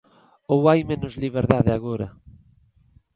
Ou hai menos liberdade agora?